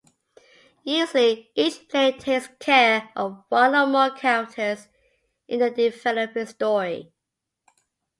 Usually, each player takes care of one or more characters in the developing story.